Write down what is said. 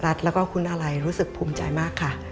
รัฐแล้วก็คุณอะไรรู้สึกภูมิใจมากค่ะ